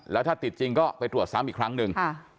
แล้วถ้าติดจริงก็ไปตรวจซ้ำอีกครั้งหนึ่ง